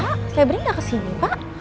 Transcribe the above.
pak feble tidak kesini pak